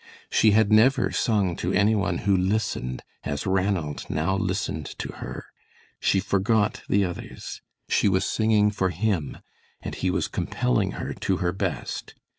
She had never sung to any one who listened as Ranald now listened to her. She forgot the others. She was singing for him, and he was compelling her to her best.